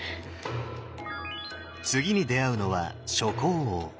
次に出会うのは初江王。